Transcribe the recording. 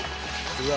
うわ！